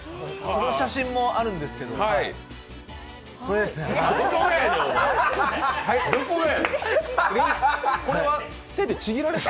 その写真のあるんですけど、これです。